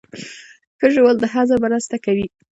ښه ژوول د هضم مرسته کوي